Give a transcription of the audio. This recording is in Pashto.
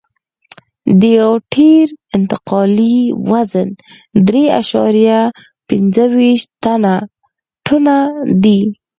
د یو ټیر انتقالي وزن درې اعشاریه پنځه ویشت ټنه دی